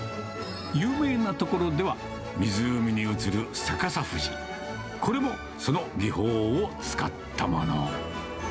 有名なところでは、湖に映る逆さ富士、これもその技法を使ったもの。